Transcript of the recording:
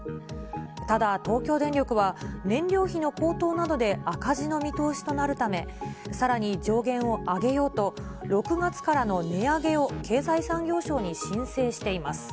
ただ東京電力は、燃料費の高騰などで赤字の見通しとなるため、さらに上限を上げようと、６月からの値上げを経済産業省に申請しています。